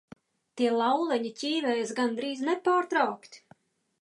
Tie lauleņi ķīvējas gandrīz nepārtraukti.